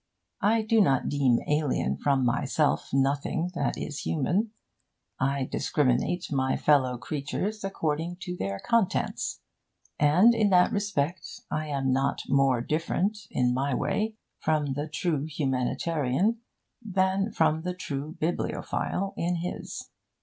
I do not deem alien from myself nothing that is human: I discriminate my fellow creatures according to their contents. And in that respect I am not more different in my way from the true humanitarian than from the true bibliophile in his.